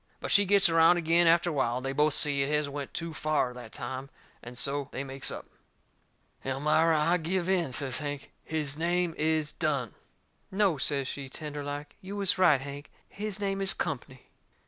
But she gets around agin after a while, and they both see it has went too fur that time, and so they makes up. "Elmira, I give in," says Hank. "His name is Dunne." "No," says she, tender like, "you was right, Hank. His name is Company."